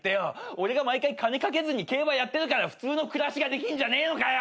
俺が毎回金賭けずに競馬やってるから普通の暮らしができんじゃねえのかよ！